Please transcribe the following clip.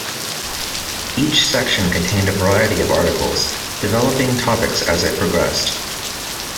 Each section contained a variety of articles, developing topics as it progressed.